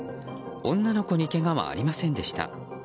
女の子にけがはありませんでした。